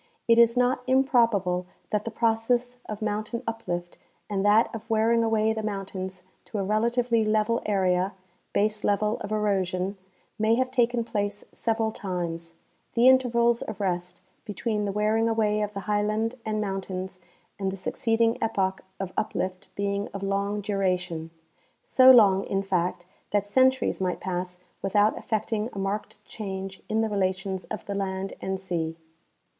It is not improbable that the process of mountain uplift and that of wearing away the mount ains to a relatively level area (baselevel of erosion) may have taken place several times, the intervals of rest between the wear ing away of the highland and mountains and the succeeding epoch of uplift being of long duration — so long, in fact, that centuries might pass without effecting a marked change in the re lations of the land and sea.